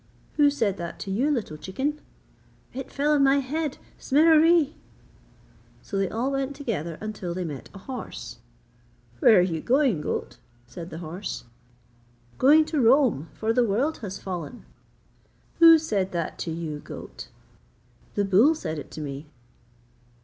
'Who said that to you, little chicken?' 'It fell on my head, Smereree!' So they all went together until they met a horse. 'Where are you going, goat?' said the horse. 'Going to Rome, for the world has fallen.' 'Who said that to you, goat?' 'The bull said it to me.'